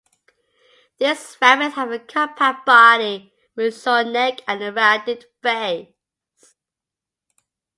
These rabbits have a compact body with a short neck and a rounded face.